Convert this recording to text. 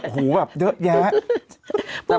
หูแบบเยอะแยะ